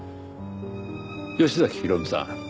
吉崎弘美さん。